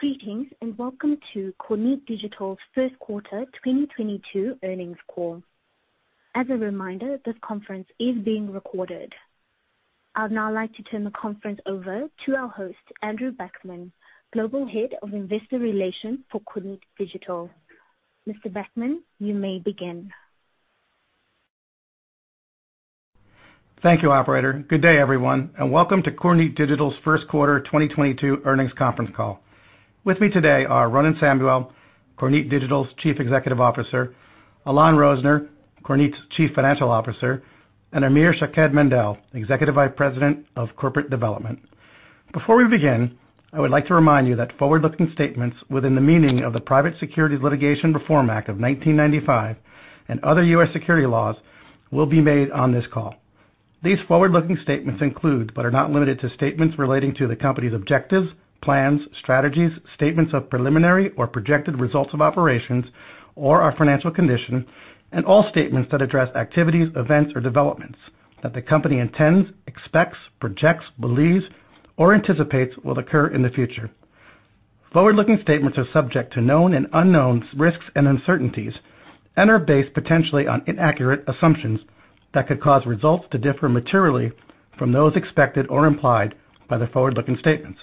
Greetings, and welcome to Kornit Digital's First Quarter 2022 Earnings Call. As a reminder, this conference is being recorded. I'd now like to turn the conference over to our host, Andrew Backman, Global Head of Investor Relations for Kornit Digital. Mr. Backman, you may begin. Thank you, operator. Good day, everyone, and welcome to Kornit Digital's First Quarter 2022 Earnings Conference Call. With me today are Ronen Samuel, Kornit Digital's Chief Executive Officer, Alon Rozner, Kornit's Chief Financial Officer, and Amir Shaked-Mandel, Executive Vice President of Corporate Development. Before we begin, I would like to remind you that forward-looking statements within the meaning of the Private Securities Litigation Reform Act of 1995 and other US securities laws will be made on this call. These forward-looking statements include, but are not limited to statements relating to the company's objectives, plans, strategies, statements of preliminary or projected results of operations or our financial condition, and all statements that address activities, events, or developments that the company intends, expects, projects, believes, or anticipates will occur in the future. Forward-looking statements are subject to known and unknown risks and uncertainties and are based potentially on inaccurate assumptions that could cause results to differ materially from those expected or implied by the forward-looking statements.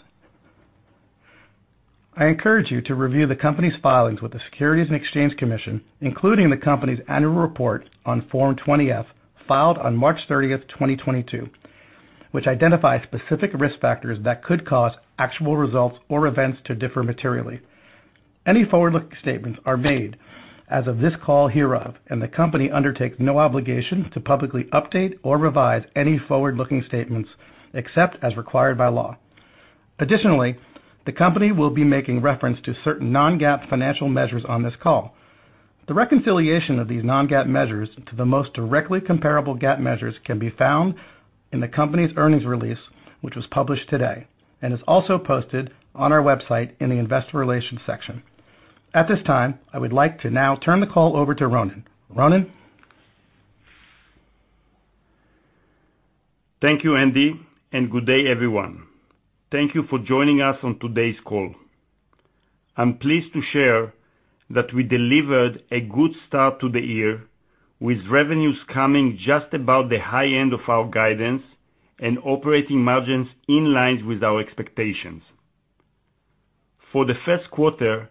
I encourage you to review the company's filings with the Securities and Exchange Commission, including the company's annual report on Form 20-F, filed on March 30, 2022, which identifies specific risk factors that could cause actual results or events to differ materially. Any forward-looking statements are made as of the date hereof, and the company undertakes no obligation to publicly update or revise any forward-looking statements, except as required by law. Additionally, the company will be making reference to certain non-GAAP financial measures on this call. The reconciliation of these non-GAAP measures to the most directly comparable GAAP measures can be found in the company's earnings release, which was published today and is also posted on our website in the investor relations section. At this time, I would like to now turn the call over to Ronen. Ronen? Thank you, Andy, and good day, everyone. Thank you for joining us on today's call. I'm pleased to share that we delivered a good start to the year with revenues coming just about the high end of our guidance and operating margins in line with our expectations. For the first quarter,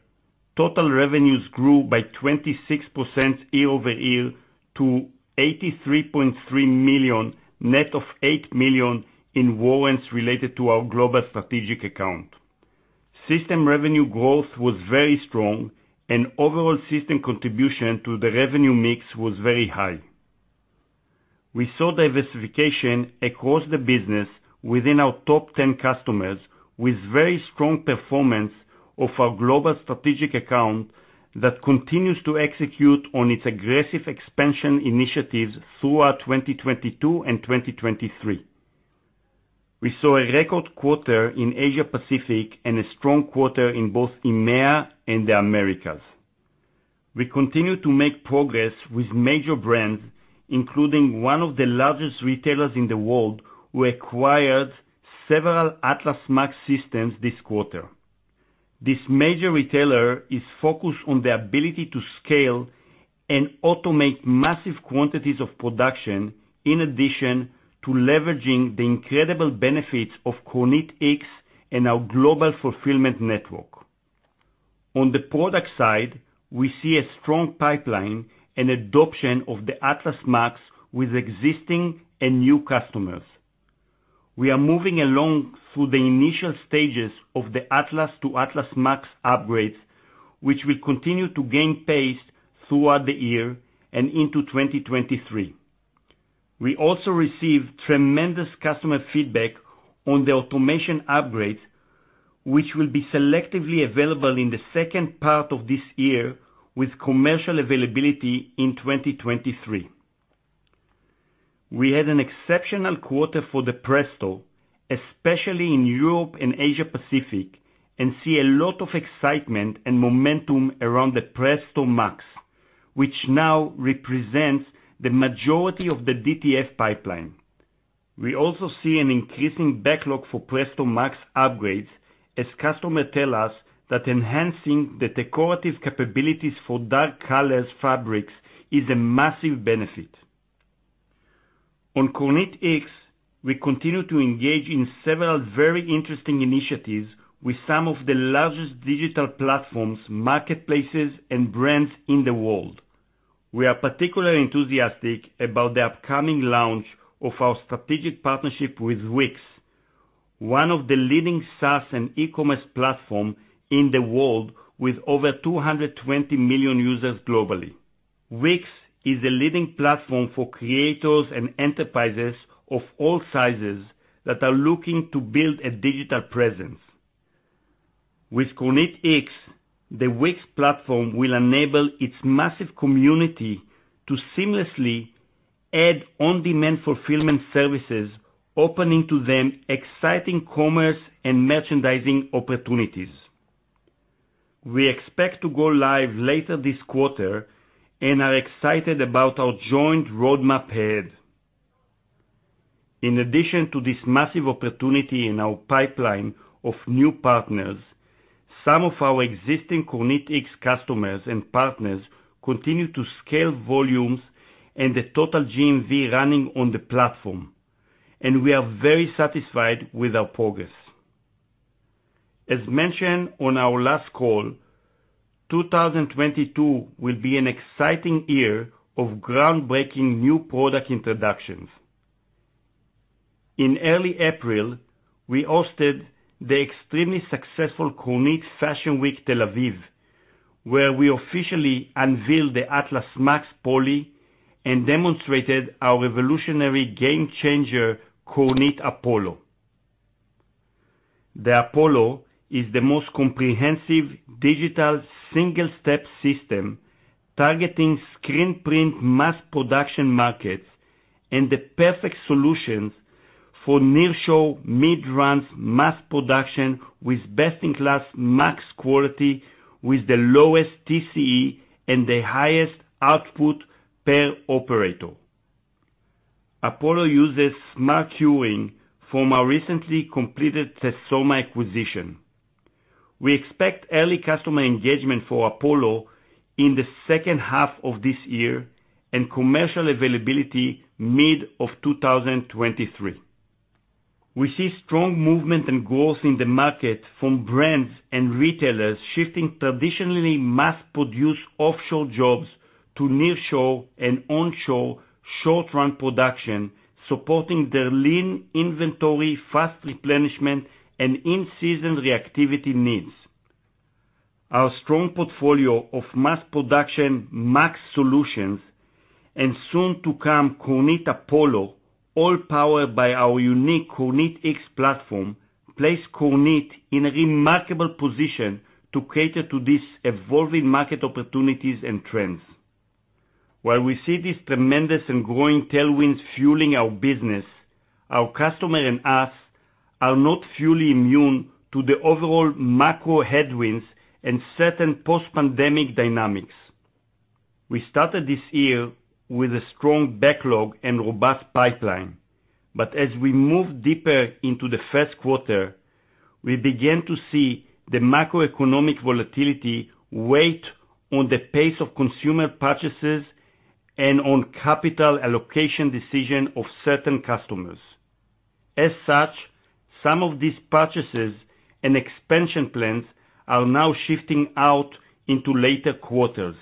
total revenues grew by 26% year over year to $83.3 million, net of $8 million in warrants related to our global strategic account. System revenue growth was very strong and overall system contribution to the revenue mix was very high. We saw diversification across the business within our top ten customers, with very strong performance of our global strategic account that continues to execute on its aggressive expansion initiatives throughout 2022 and 2023. We saw a record quarter in Asia Pacific and a strong quarter in both EMEA and the Americas. We continue to make progress with major brands, including one of the largest retailers in the world, who acquired several Atlas MAX systems this quarter. This major retailer is focused on the ability to scale and automate massive quantities of production, in addition to leveraging the incredible benefits of KornitX and our global fulfillment network. On the product side, we see a strong pipeline and adoption of the Atlas MAX with existing and new customers. We are moving along through the initial stages of the Atlas to Atlas MAX upgrades, which will continue to gain pace throughout the year and into 2023. We also received tremendous customer feedback on the automation upgrades, which will be selectively available in the second part of this year with commercial availability in 2023. We had an exceptional quarter for the Presto, especially in Europe and Asia Pacific, and see a lot of excitement and momentum around the Presto Max, which now represents the majority of the DTF pipeline. We also see an increasing backlog for Presto Max upgrades as customers tell us that enhancing the decorative capabilities for dark colored fabrics is a massive benefit. On KornitX, we continue to engage in several very interesting initiatives with some of the largest digital platforms, marketplaces, and brands in the world. We are particularly enthusiastic about the upcoming launch of our strategic partnership with Wix, one of the leading SaaS and e-commerce platform in the world with over 220 million users globally. Wix is a leading platform for creators and enterprises of all sizes that are looking to build a digital presence. With KornitX, the Wix platform will enable its massive community to seamlessly add on-demand fulfillment services, opening to them exciting commerce and merchandising opportunities. We expect to go live later this quarter and are excited about our joint roadmap ahead. In addition to this massive opportunity in our pipeline of new partners, some of our existing KornitX customers and partners continue to scale volumes and the total GMV running on the platform, and we are very satisfied with our progress. As mentioned on our last call, 2022 will be an exciting year of groundbreaking new product introductions. In early April, we hosted the extremely successful Kornit Fashion Week Tel Aviv, where we officially unveiled the Atlas MAX Poly and demonstrated our revolutionary game changer, Kornit Apollo. The Apollo is the most comprehensive digital single-step system targeting screen print mass production markets and the perfect solution for nearshore mid-run mass production with best-in-class MAX quality with the lowest TCE and the highest output per operator. Apollo uses smart curing from our recently completed Tesoma acquisition. We expect early customer engagement for Apollo in the second half of this year and commercial availability mid-2023. We see strong movement and growth in the market from brands and retailers shifting traditionally mass-produced offshore jobs to nearshore and onshore short-run production, supporting their lean inventory, fast replenishment, and in-season reactivity needs. Our strong portfolio of mass production MAX solutions and soon to come Kornit Apollo, all powered by our unique KornitX platform, place Kornit in a remarkable position to cater to these evolving market opportunities and trends. While we see these tremendous and growing tailwinds fueling our business, our customer and us are not fully immune to the overall macro headwinds and certain post-pandemic dynamics. We started this year with a strong backlog and robust pipeline, but as we move deeper into the first quarter, we began to see the macroeconomic volatility weigh on the pace of consumer purchases and on capital allocation decision of certain customers. As such, some of these purchases and expansion plans are now shifting out into later quarters.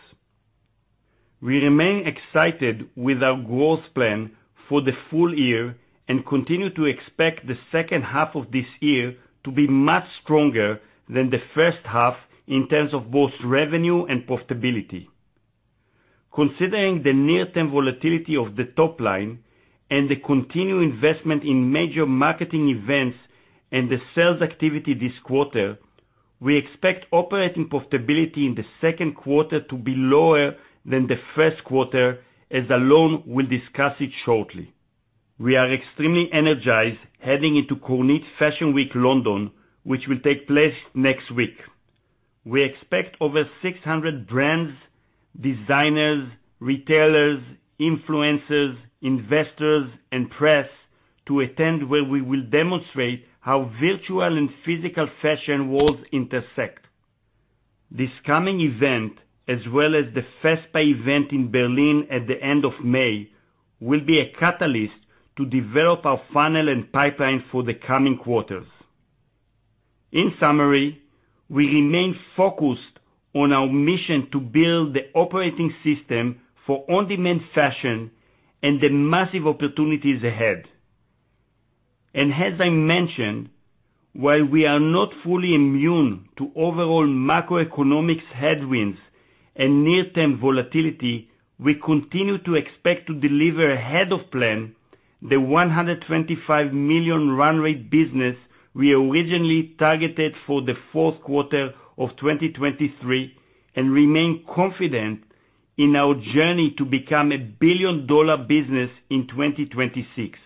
We remain excited with our growth plan for the full year and continue to expect the second half of this year to be much stronger than the first half in terms of both revenue and profitability. Considering the near-term volatility of the top line and the continued investment in major marketing events and the sales activity this quarter, we expect operating profitability in the second quarter to be lower than the first quarter, as Alon will discuss it shortly. We are extremely energized heading into Kornit Fashion Week London, which will take place next week. We expect over 600 brands, designers, retailers, influencers, investors and press to attend, where we will demonstrate how virtual and physical fashion worlds intersect. This coming event, as well as the FESPA event in Berlin at the end of May, will be a catalyst to develop our funnel and pipeline for the coming quarters. In summary, we remain focused on our mission to build the operating system for on-demand fashion and the massive opportunities ahead. As I mentioned, while we are not fully immune to overall macroeconomic headwinds and near-term volatility, we continue to expect to deliver ahead of plan the $125 million run rate business we originally targeted for the fourth quarter of 2023, and remain confident in our journey to become a billion-dollar business in 2026.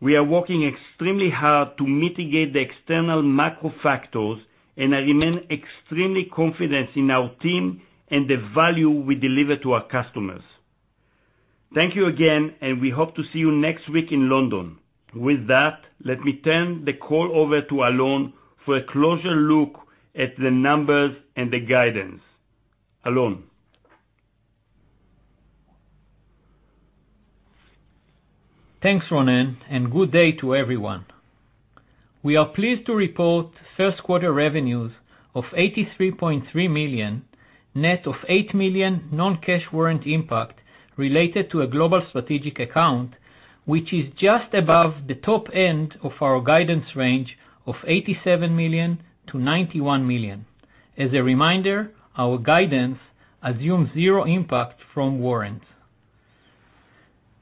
We are working extremely hard to mitigate the external macro factors, and I remain extremely confident in our team and the value we deliver to our customers. Thank you again, and we hope to see you next week in London. With that, let me turn the call over to Alon for a closer look at the numbers and the guidance. Alon. Thanks, Ronen, and good day to everyone. We are pleased to report first quarter revenues of $83.3 million, net of $8 million non-cash warrant impact related to a global strategic account, which is just above the top end of our guidance range of $87 million-$91 million. As a reminder, our guidance assumes zero impact from warrants.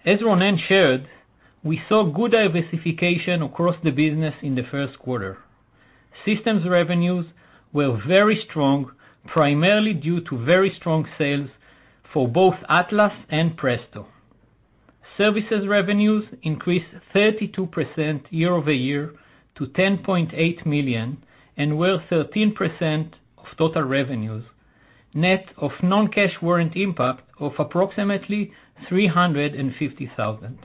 As Ronen shared, we saw good diversification across the business in the first quarter. Systems revenues were very strong, primarily due to very strong sales for both Atlas and Presto. Services revenues increased 32% year-over-year to $10.8 million and were 13% of total revenues, net of non-cash warrant impact of approximately $350,000.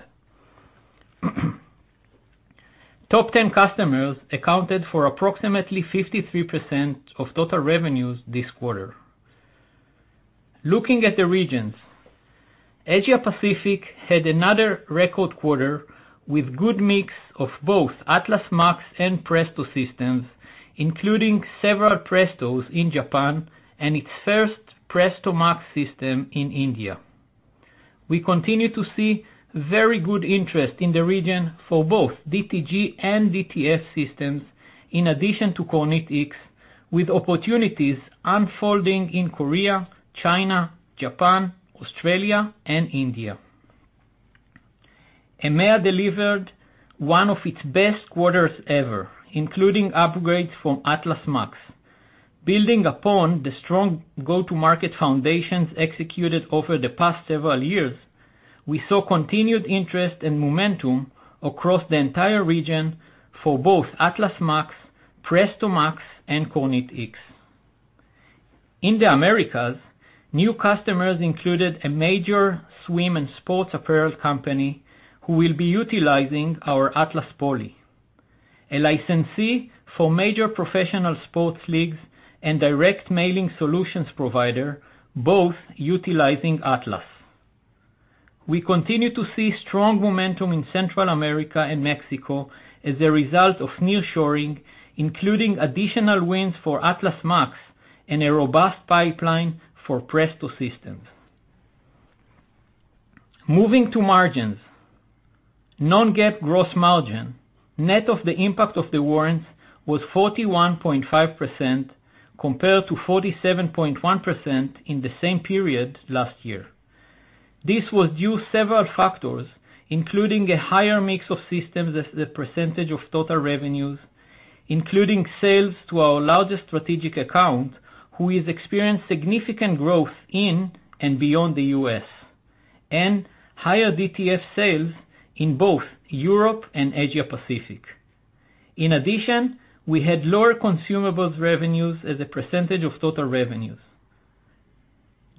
Top 10 customers accounted for approximately 53% of total revenues this quarter. Looking at the regions. Asia Pacific had another record quarter with good mix of both Atlas MAX and Presto systems, including several Prestos in Japan and its first Presto MAX system in India. We continue to see very good interest in the region for both DTG and DTS systems in addition to KornitX, with opportunities unfolding in Korea, China, Japan, Australia and India. EMEA delivered one of its best quarters ever, including upgrades from Atlas MAX. Building upon the strong go-to-market foundations executed over the past several years, we saw continued interest and momentum across the entire region for both Atlas MAX, Presto MAX and KornitX. In the Americas, new customers included a major swim and sports apparel company who will be utilizing our Atlas Poly, a licensee for major professional sports leagues and direct mailing solutions provider, both utilizing Atlas. We continue to see strong momentum in Central America and Mexico as a result of nearshoring, including additional wins for Atlas MAX and a robust pipeline for Presto systems. Moving to margins. Non-GAAP gross margin, net of the impact of the warrants, was 41.5% compared to 47.1% in the same period last year. This was due to several factors, including a higher mix of systems as a percentage of total revenues, including sales to our largest strategic account, who has experienced significant growth in and beyond the U.S., and higher DTS sales in both Europe and Asia Pacific. In addition, we had lower consumables revenues as a percentage of total revenues.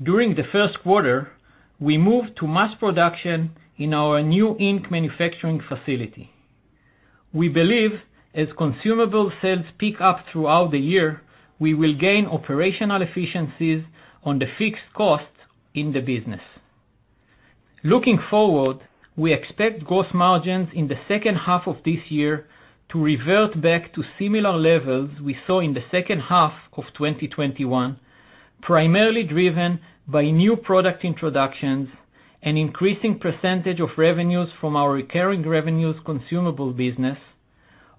During the first quarter, we moved to mass production in our new ink manufacturing facility. We believe, as consumable sales pick up throughout the year, we will gain operational efficiencies on the fixed costs in the business. Looking forward, we expect gross margins in the second half of this year to revert back to similar levels we saw in the second half of 2021, primarily driven by new product introductions, an increasing percentage of revenues from our recurring revenues consumable business,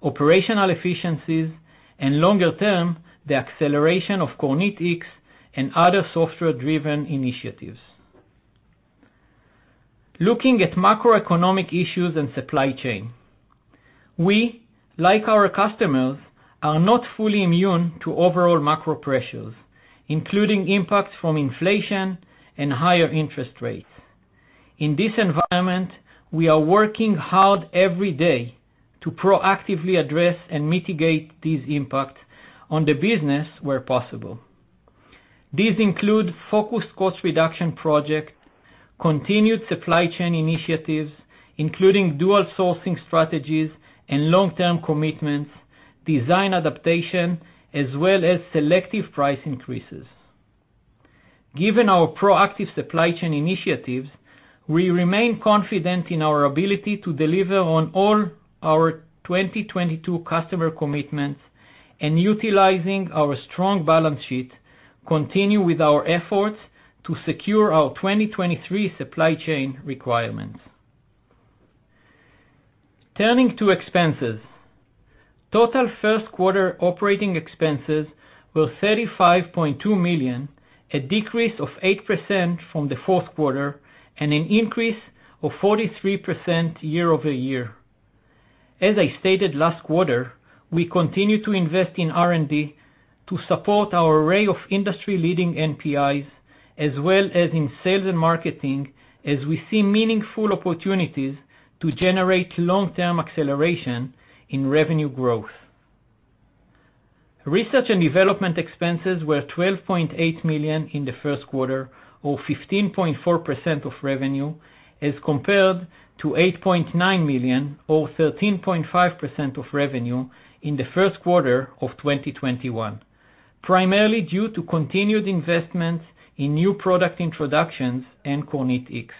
operational efficiencies, and longer term, the acceleration of KornitX and other software-driven initiatives. Looking at macroeconomic issues and supply chain, we, like our customers, are not fully immune to overall macro pressures, including impacts from inflation and higher interest rates. In this environment, we are working hard every day to proactively address and mitigate these impacts on the business where possible. These include focused cost reduction project, continued supply chain initiatives, including dual sourcing strategies and long-term commitments, design adaptation, as well as selective price increases. Given our proactive supply chain initiatives, we remain confident in our ability to deliver on all our 2022 customer commitments and, utilizing our strong balance sheet, continue with our efforts to secure our 2023 supply chain requirements. Turning to expenses. Total first quarter operating expenses were $35.2 million, a decrease of 8% from the fourth quarter and an increase of 43% year-over-year. As I stated last quarter, we continue to invest in R&D to support our array of industry-leading NPIs, as well as in sales and marketing, as we see meaningful opportunities to generate long-term acceleration in revenue growth. Research and development expenses were $12.8 million in the first quarter, or 15.4% of revenue, as compared to $8.9 million or 13.5% of revenue in the first quarter of 2021, primarily due to continued investments in new product introductions and KornitX.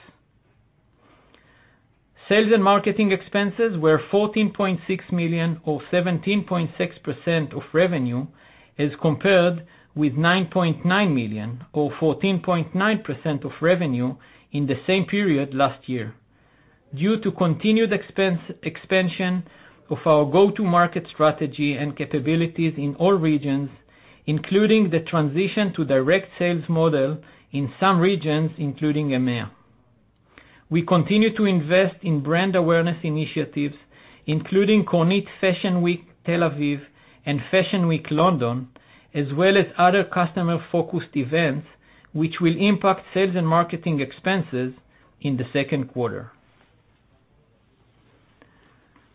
Sales and marketing expenses were $14.6 million or 17.6% of revenue, as compared with $9.9 million or 14.9% of revenue in the same period last year, due to continued expansion of our go-to-market strategy and capabilities in all regions, including the transition to direct sales model in some regions, including EMEA. We continue to invest in brand awareness initiatives, including Kornit Fashion Week, Tel Aviv, and Fashion Week, London, as well as other customer-focused events, which will impact sales and marketing expenses in the second quarter.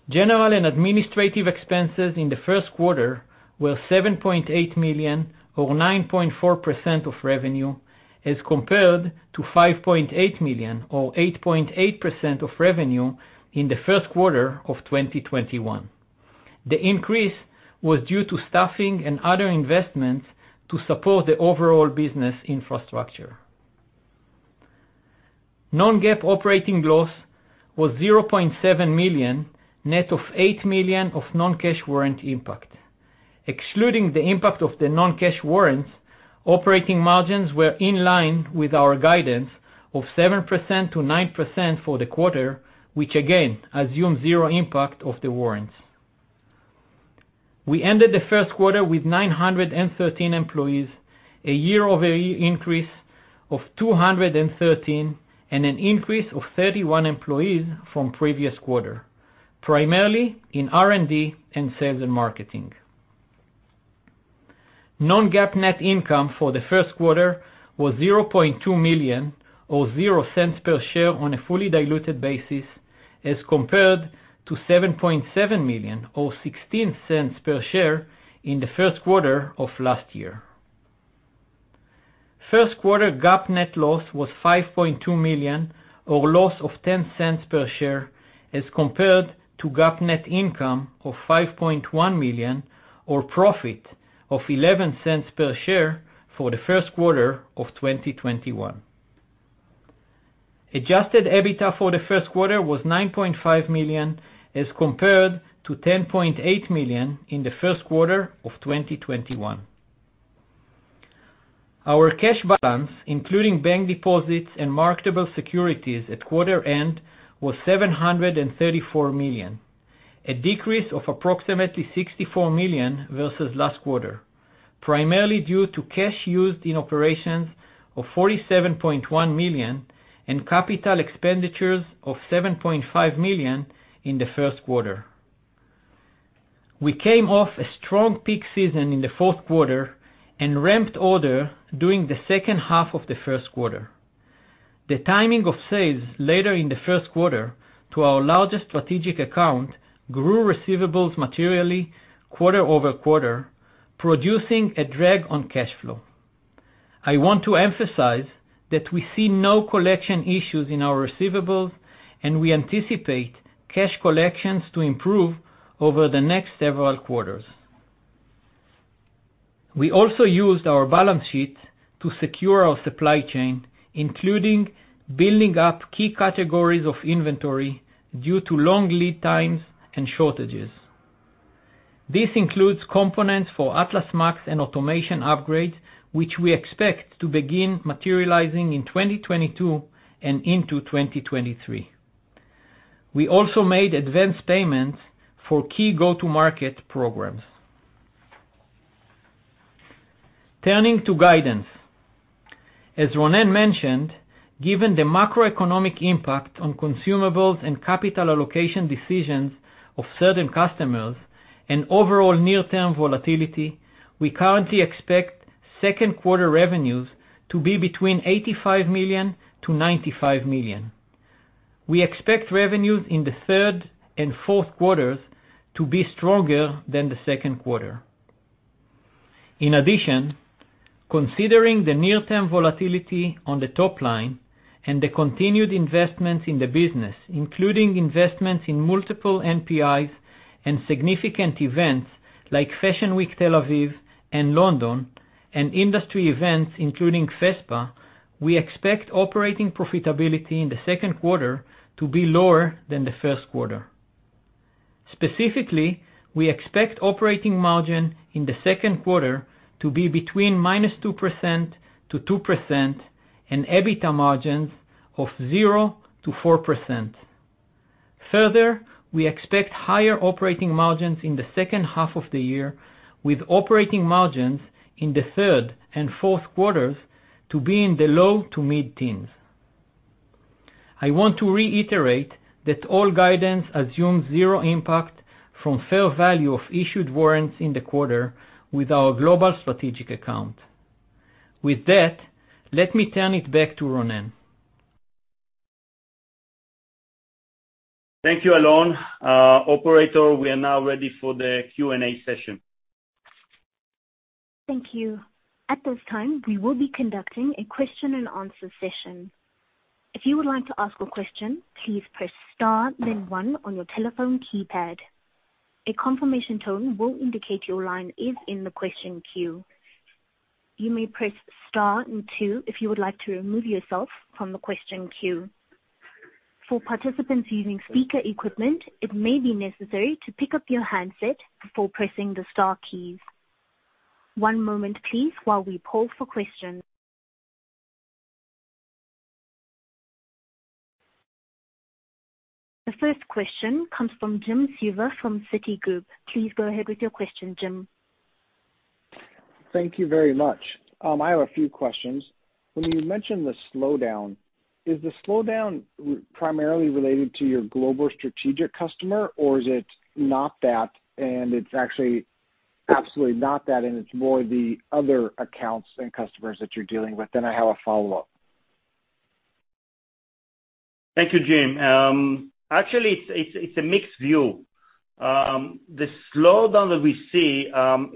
General and administrative expenses in the first quarter were $7.8 million or 9.4% of revenue, as compared to $5.8 million or 8.8% of revenue in the first quarter of 2021. The increase was due to staffing and other investments to support the overall business infrastructure. Non-GAAP operating loss was $0.7 million, net of $8 million of non-cash warrant impact. Excluding the impact of the non-cash warrants, operating margins were in line with our guidance of 7%-9% for the quarter, which again assumes zero impact of the warrants. We ended the first quarter with 913 employees, a year-over-year increase of 213, and an increase of 31 employees from previous quarter, primarily in R&D and sales and marketing. Non-GAAP net income for the first quarter was $0.2 million or $0.00 per share on a fully diluted basis, as compared to $7.7 million or $0.16 per share in the first quarter of last year. First quarter GAAP net loss was $5.2 million or loss of $0.10 per share as compared to GAAP net income of $5.1 million or profit of $0.11 per share for the first quarter of 2021. Adjusted EBITDA for the first quarter was $9.5 million, as compared to $10.8 million in the first quarter of 2021. Our cash balance, including bank deposits and marketable securities at quarter end, was $734 million, a decrease of approximately $64 million versus last quarter, primarily due to cash used in operations of $47.1 million and capital expenditures of $7.5 million in the first quarter. We came off a strong peak season in the fourth quarter and ramped order during the second half of the first quarter. The timing of sales later in the first quarter to our largest strategic account grew receivables materially quarter over quarter, producing a drag on cash flow. I want to emphasize that we see no collection issues in our receivables, and we anticipate cash collections to improve over the next several quarters. We also used our balance sheet to secure our supply chain, including building up key categories of inventory due to long lead times and shortages. This includes components for Atlas MAX and automation upgrades, which we expect to begin materializing in 2022 and into 2023. We also made advanced payments for key go-to-market programs. Turning to guidance. As Ronen mentioned, given the macroeconomic impact on consumables and capital allocation decisions of certain customers and overall near-term volatility, we currently expect second quarter revenues to be between $85 million-$95 million. We expect revenues in the third and fourth quarters to be stronger than the second quarter. In addition, considering the near-term volatility on the top line and the continued investments in the business, including investments in multiple NPIs and significant events like Fashion Week, Tel Aviv and London and industry events, including FESPA, we expect operating profitability in the second quarter to be lower than the first quarter. Specifically, we expect operating margin in the second quarter to be between -2% to 2% and EBITDA margins of 0% to 4%. Further, we expect higher operating margins in the second half of the year, with operating margins in the third and fourth quarters to be in the low to mid-teens. I want to reiterate that all guidance assumes 0 impact from fair value of issued warrants in the quarter with our global strategic account. With that, let me turn it back to Ronen. Thank you, Alon. Operator, we are now ready for the Q&A session. Thank you. At this time, we will be conducting a question and answer session. If you would like to ask a question, please press star then one on your telephone keypad. A confirmation tone will indicate your line is in the question queue. You may press star and two if you would like to remove yourself from the question queue. For participants using speaker equipment, it may be necessary to pick up your handset before pressing the star keys. One moment please while we poll for questions. The first question comes from Jim Suva from Citigroup. Please go ahead with your question, Jim. Thank you very much. I have a few questions. When you mentioned the slowdown, is the slowdown primarily related to your global strategic customer or is it not that and it's actually absolutely not that, and it's more the other accounts and customers that you're dealing with? I have a follow-up. Thank you, Jim. Actually, it's a mixed view. The slowdown that we see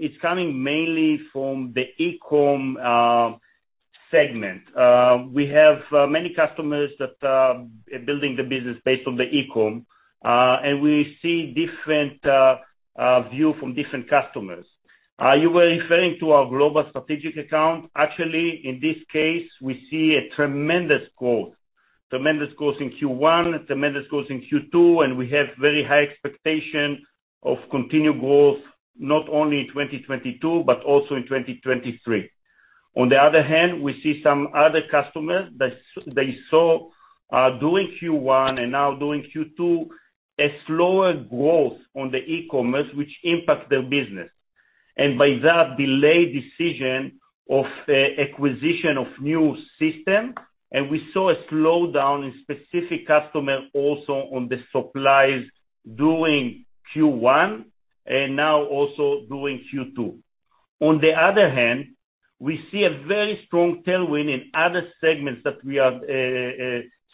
is coming mainly from the e-com segment. We have many customers that are building the business based on the e-com, and we see different view from different customers. You were referring to our global strategic account. Actually, in this case, we see a tremendous growth. Tremendous growth in Q1, tremendous growth in Q2, and we have very high expectation of continued growth, not only in 2022 but also in 2023. On the other hand, we see some other customers that saw during Q1 and now during Q2, a slower growth on the e-commerce, which impacts their business. By that delayed decision of acquisition of new system, and we saw a slowdown in specific customer also on the supplies during Q1 and now also during Q2. On the other hand, we see a very strong tailwind in other segments that we are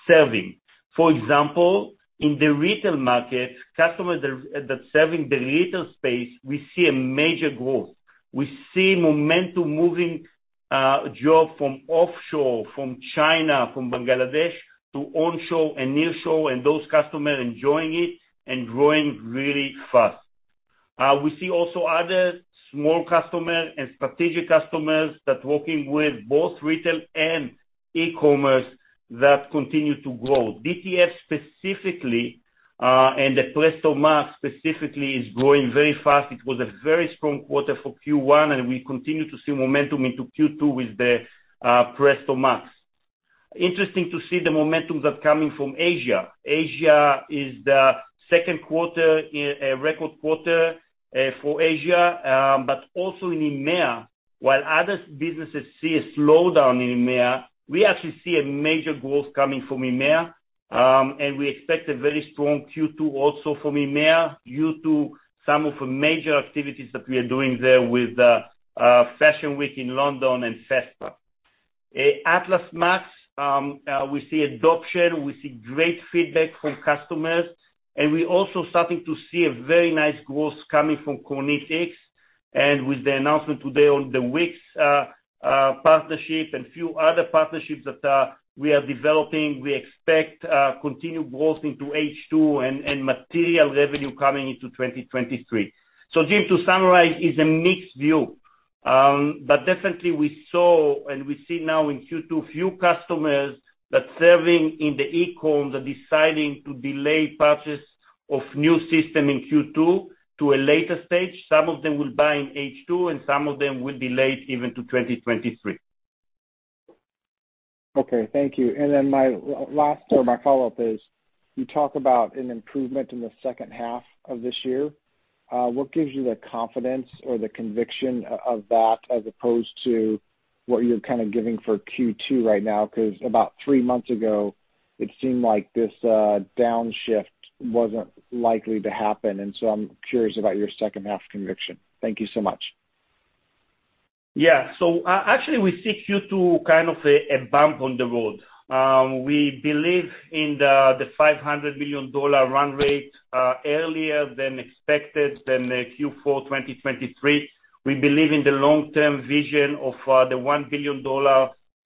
serving. For example, in the retail market, customers that serving the retail space, we see a major growth. We see momentum moving job from offshore, from China, from Bangladesh to onshore and nearshore, and those customers enjoying it and growing really fast. We see also other small customers and strategic customers that working with both retail and e-commerce that continue to grow. DTF specifically, and the Presto MAX specifically is growing very fast. It was a very strong quarter for Q1, and we continue to see momentum into Q2 with the Presto MAX. Interesting to see the momentum that's coming from Asia. Asia is the second quarter record quarter for Asia, but also in EMEA. While other businesses see a slowdown in EMEA, we actually see a major growth coming from EMEA, and we expect a very strong Q2 also from EMEA due to some of the major activities that we are doing there with Fashion Week in London and FESPA. Atlas MAX, we see adoption, we see great feedback from customers, and we're also starting to see a very nice growth coming from KornitX. With the announcement today on the Wix partnership and few other partnerships that we are developing, we expect continued growth into H2 and material revenue coming into 2023. Jim, to summarize, is a mixed view. Definitely we saw and we see now in Q2 few customers that serving in the e-com that deciding to delay purchase of new system in Q2 to a later stage. Some of them will buy in H2, and some of them will delay it even to 2023. Okay. Thank you. My last or my follow-up is, you talk about an improvement in the second half of this year. What gives you the confidence or the conviction of that as opposed to what you're kind of giving for Q2 right now? 'Cause about three months ago, it seemed like this downshift wasn't likely to happen. I'm curious about your second half conviction. Thank you so much. Actually, we see Q2 kind of a bump on the road. We believe in the $500 million run rate earlier than expected than the Q4 2023. We believe in the long-term vision of the $1 billion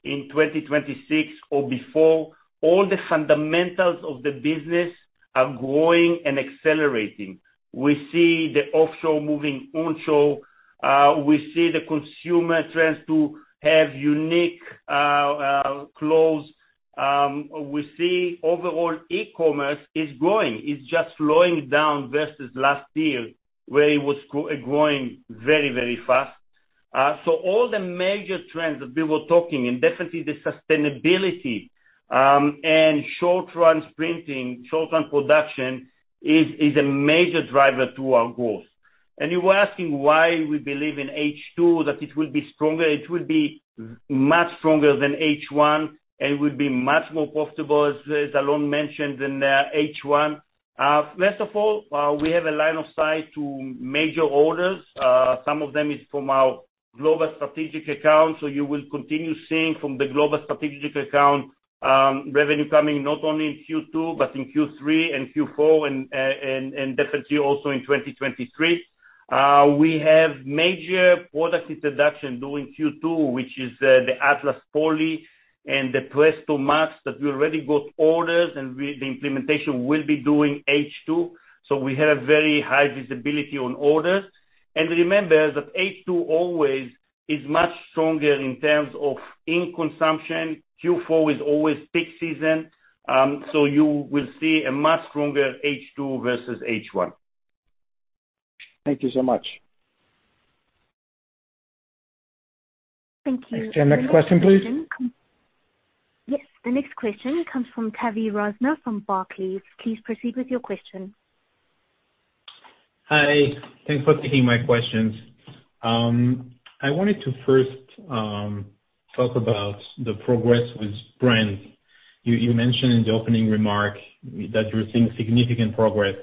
in 2026 or before. All the fundamentals of the business are growing and accelerating. We see the offshore moving onshore. We see the consumer trends to have unique clothes. We see overall e-commerce is growing. It's just slowing down versus last year, where it was growing very fast. So all the major trends that we were talking, and definitely the sustainability and short-run printing, short-run production is a major driver to our growth. You were asking why we believe in H2 that it will be stronger. It will be much stronger than H1, and it will be much more profitable, as Alon mentioned, than H1. First of all, we have a line of sight to major orders. Some of them is from our global strategic accounts. You will continue seeing from the global strategic account revenue coming not only in Q2, but in Q3 and Q4 and definitely also in 2023. We have major product introduction during Q2, which is the Atlas Poly and the Presto MAX that we already got orders and the implementation will be during H2. We have very high visibility on orders. Remember that H2 always is much stronger in terms of ink consumption. Q4 is always peak season, you will see a much stronger H2 versus H1. Thank you so much. Thank you. Next question, please. Yes. The next question comes from Tavy Rosner from Barclays. Please proceed with your question. Hi. Thanks for taking my questions. I wanted to first talk about the progress with brands. You mentioned in the opening remark that you're seeing significant progress.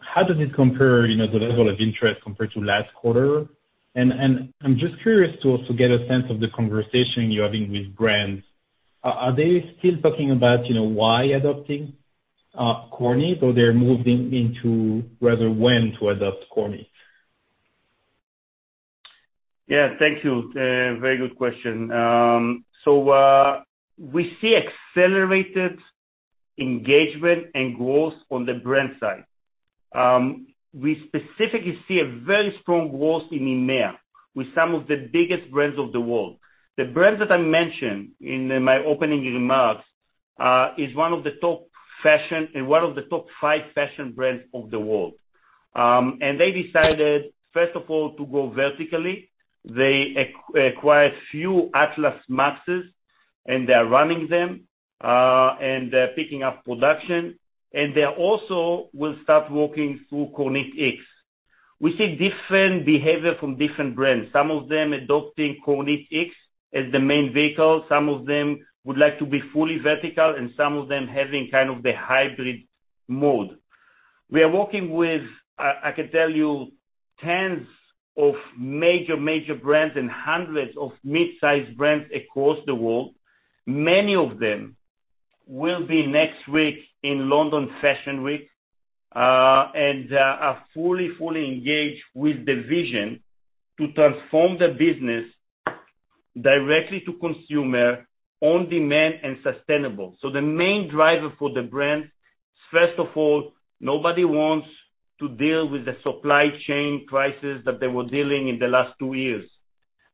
How does it compare, you know, the level of interest compared to last quarter? I'm just curious to also get a sense of the conversation you're having with brands. Are they still talking about, you know, why adopting Kornit, or they're moving into rather when to adopt Kornit? Yeah, thank you. Very good question. We see accelerated engagement and growth on the brand side. We specifically see a very strong growth in EMEA with some of the biggest brands of the world. The brand that I mentioned in my opening remarks is one of the top five fashion brands of the world. They decided, first of all, to go vertically. They acquire few Atlas MAXes, and they are running them, and they're picking up production. They also will start working through KornitX. We see different behavior from different brands. Some of them adopting KornitX as the main vehicle, some of them would like to be fully vertical, and some of them having kind of the hybrid mode. We are working with, I can tell you tens of major brands and hundreds of mid-sized brands across the world. Many of them will be next week in London Fashion Week, and they are fully engaged with the vision to transform the business directly to consumer on demand and sustainable. The main driver for the brands, first of all, nobody wants to deal with the supply chain crisis that they were dealing in the last two years,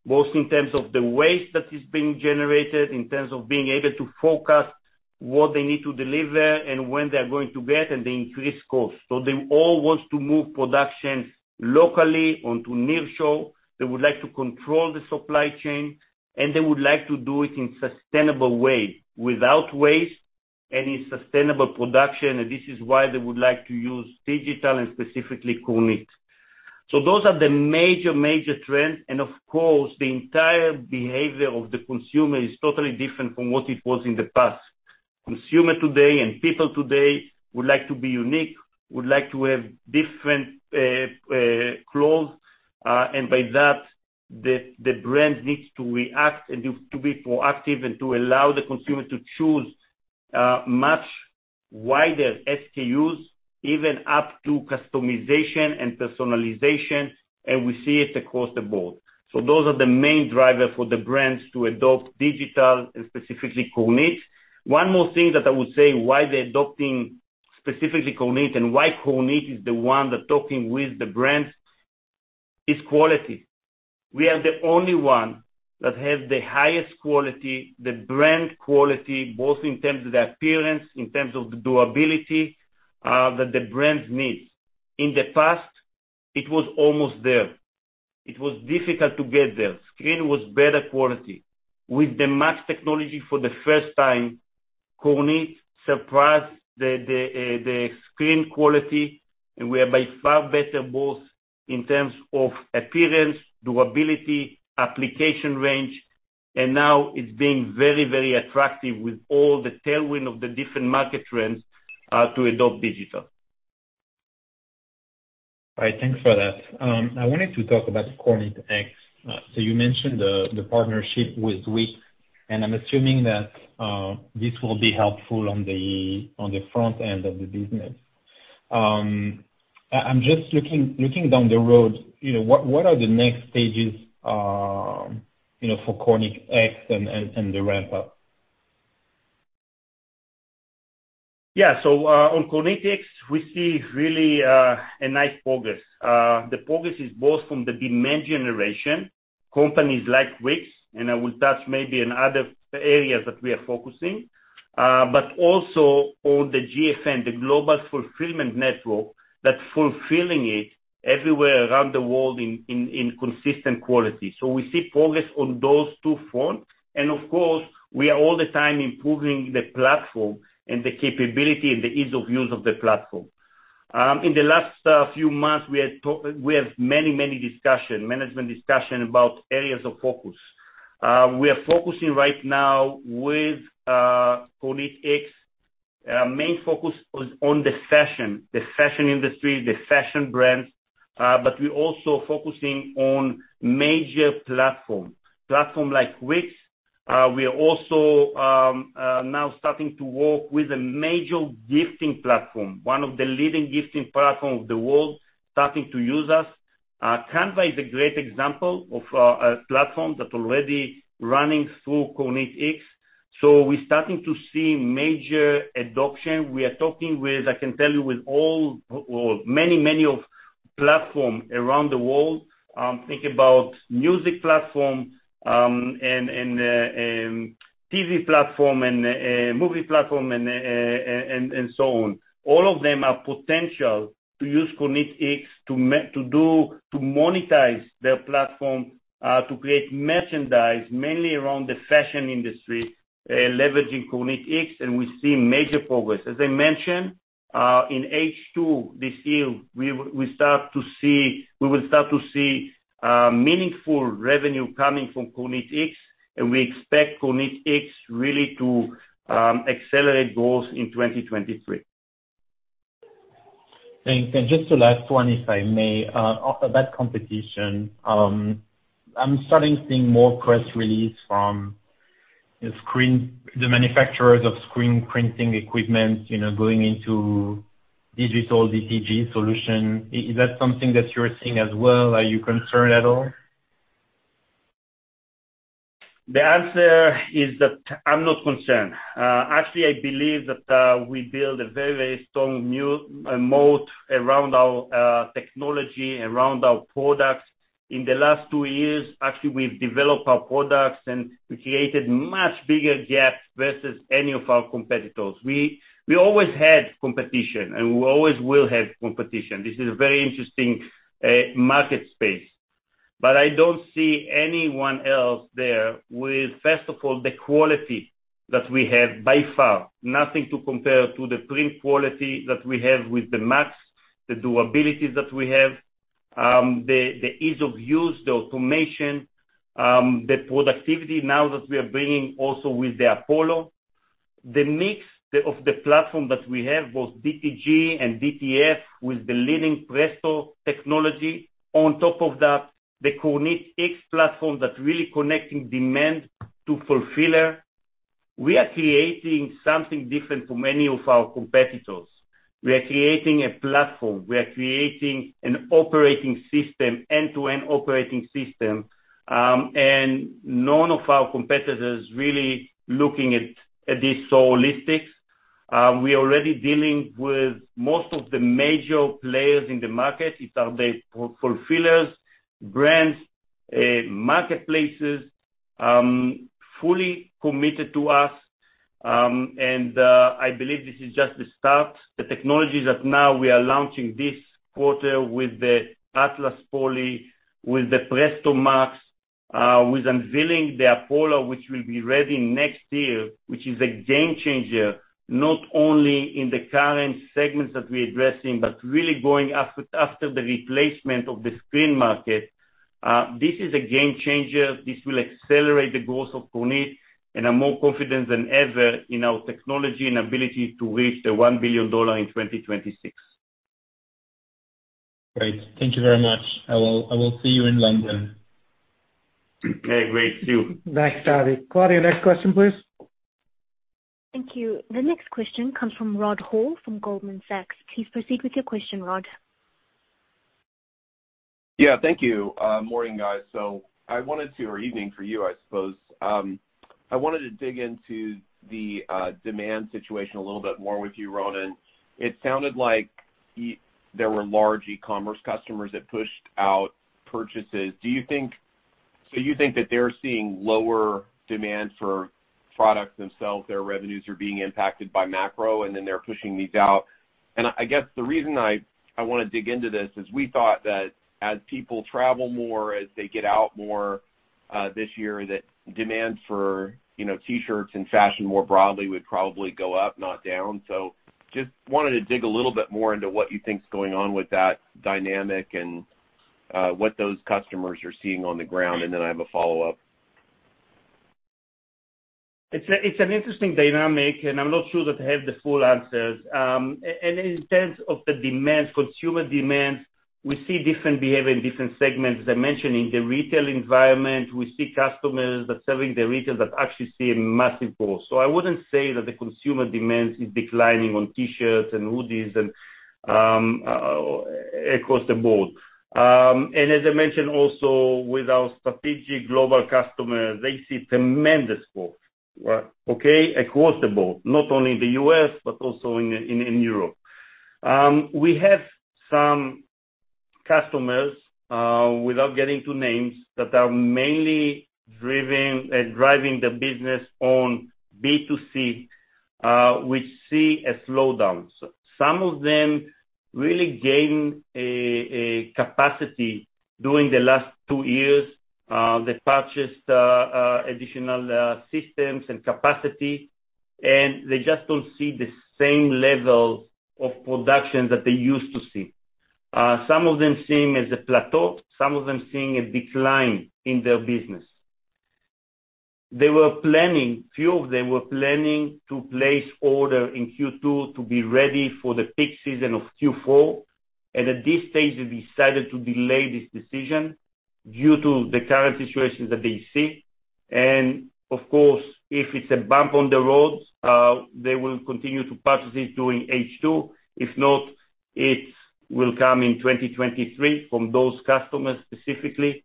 both in terms of the waste that is being generated, in terms of being able to forecast what they need to deliver and when they're going to get, and the increased cost. They all want to move production locally onto nearshore. They would like to control the supply chain, and they would like to do it in sustainable way, without waste, and in sustainable production. This is why they would like to use digital and specifically Kornit. Those are the major trends. Of course, the entire behavior of the consumer is totally different from what it was in the past. Consumer today and people today would like to be unique, would like to have different clothes, and by that, the brand needs to react and to be proactive and to allow the consumer to choose much wider SKUs, even up to customization and personalization, and we see it across the board. Those are the main drivers for the brands to adopt digital and specifically Kornit. One more thing that I would say why they're adopting specifically Kornit and why Kornit is the one that's talking with the brands is quality. We are the only one that have the highest quality, the brand quality, both in terms of the appearance, in terms of the durability, that the brands needs. In the past, it was almost there. It was difficult to get there. Screen was better quality. With the MAX technology for the first time, Kornit surpassed the screen quality, and we are by far better both in terms of appearance, durability, application range, and now it's being very, very attractive with all the tailwind of the different market trends to adopt digital. All right. Thanks for that. I wanted to talk about KornitX. You mentioned the partnership with Wix, and I'm assuming that this will be helpful on the front end of the business. I'm just looking down the road, you know, what are the next stages, you know, for KornitX and the ramp up? Yeah. On KornitX, we see really a nice progress. The progress is both from the demand generation, companies like Wix, and I will touch maybe in other areas that we are focusing, but also on the GFN, the Global Fulfillment Network, that's fulfilling it everywhere around the world in consistent quality. We see progress on those two fronts. Of course, we are all the time improving the platform and the capability and the ease of use of the platform. In the last few months, we have many discussions, management discussions about areas of focus. We are focusing right now with KornitX. Main focus was on the fashion, the fashion industry, the fashion brands, but we're also focusing on major platforms like Wix. We are also now starting to work with a major gifting platform, one of the leading gifting platform of the world starting to use us. Canva is a great example of a platform that already running through KornitX. We're starting to see major adoption. We are talking with, I can tell you, with all or many platforms around the world, think about music platform, and TV platform and movie platform and so on. All of them have potential to use KornitX to monetize their platform, to create merchandise mainly around the fashion industry, leveraging KornitX, and we see major progress. As I mentioned, in H2 this year, we will start to see meaningful revenue coming from KornitX, and we expect KornitX really to accelerate growth in 2023. Thanks. Just the last one, if I may. Off of that competition, I'm starting to see more press releases from the manufacturers of screen printing equipment, you know, going into digital DTG solutions. Is that something that you're seeing as well? Are you concerned at all? The answer is that I'm not concerned. Actually, I believe that we build a very, very strong new moat around our technology, around our products. In the last two years, actually we've developed our products, and we created much bigger gaps versus any of our competitors. We always had competition, and we always will have competition. This is a very interesting market space. I don't see anyone else there with, first of all, the quality that we have by far, nothing to compare to the print quality that we have with the MAX, the durability that we have, the ease of use, the automation, the productivity now that we are bringing also with the Apollo. The mix of the platform that we have, both DTG and DTF, with the leading Presto technology. On top of that, the KornitX platform that really connecting demand to fulfiller. We are creating something different to many of our competitors. We are creating a platform. We are creating an operating system, end-to-end operating system, and none of our competitors really looking at this holistic. We're already dealing with most of the major players in the market. It's our, the fulfillers, brands, marketplaces, fully committed to us, and I believe this is just the start. The technologies that now we are launching this quarter with the Atlas Poly, with the Presto MAX, with unveiling the Apollo, which will be ready next year, which is a game changer, not only in the current segments that we're addressing, but really going after the replacement of the screen market. This is a game changer. This will accelerate the growth of Kornit, and I'm more confident than ever in our technology and ability to reach the $1 billion in 2026. Great. Thank you very much. I will see you in London. Okay, great. See you. Thanks, Tavy. Claudia, next question, please. Thank you. The next question comes from Rod Hall from Goldman Sachs. Please proceed with your question, Rod. Yeah, thank you. Morning, guys. So I wanted to or evening for you, I suppose. I wanted to dig into the demand situation a little bit more with you, Ronen. It sounded like there were large e-commerce customers that pushed out purchases. So you think that they're seeing lower demand for products themselves, their revenues are being impacted by macro, and then they're pushing these out? I guess the reason I wanna dig into this is we thought that as people travel more, as they get out more, this year, that demand for, you know, T-shirts and fashion more broadly would probably go up, not down. Just wanted to dig a little bit more into what you think is going on with that dynamic and what those customers are seeing on the ground, and then I have a follow-up. It's an interesting dynamic, and I'm not sure that I have the full answers. In terms of the demand, consumer demand, we see different behavior in different segments. As I mentioned, in the retail environment, we see customers that serving the retail that actually see a massive growth. I wouldn't say that the consumer demand is declining on T-shirts and hoodies and across the board. As I mentioned also with our strategic global customers, they see tremendous growth. Right. Okay? Across the board, not only in the U.S., but also in Europe. We have some customers, without getting to names, that are mainly driving the business on B2C, which see a slowdown. Some of them really gain a capacity during the last two years. They purchased additional systems and capacity, and they just don't see the same level of production that they used to see. Some of them seeing a plateau, some of them seeing a decline in their business. Few of them were planning to place order in Q2 to be ready for the peak season of Q4. At this stage, they decided to delay this decision due to the current situations that they see. Of course, if it's a bump on the road, they will continue to purchase it during H2. If not, it will come in 2023 from those customers specifically.